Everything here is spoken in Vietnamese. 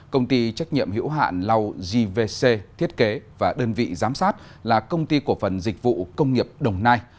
công ty trách nhiệm hiểu hạn lau gvc thiết kế và đơn vị giám sát là công ty cổ phần dịch vụ công nghiệp đồng nai